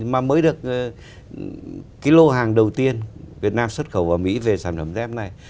mà mới được cái lô hàng đầu tiên việt nam xuất khẩu vào mỹ về sản phẩm dép này